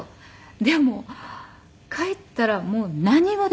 でも帰ったらもう何もできないんです私。